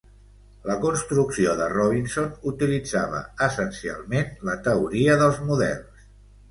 La construcció de Robinson utilitzava essencialment la teoria dels models.